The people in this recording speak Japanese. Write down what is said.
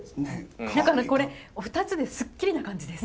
何かこれ２つですっきりな感じです。